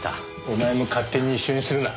お前も勝手に一緒にするな。